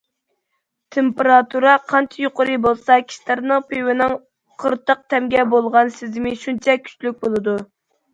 تېمپېراتۇرا قانچە يۇقىرى بولسا، كىشىلەرنىڭ پىۋىنىڭ قىرتاق تەمگە بولغان سېزىمى شۇنچە كۈچلۈك بولىدۇ.